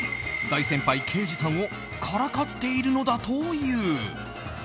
大先輩・啓司さんをからかっているのだという。